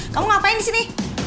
kamu ngapain disini